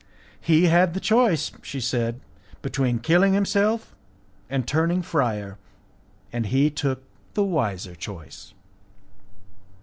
"He had the choice," she said, "between killing himself and turning friar, and he took the wiser course."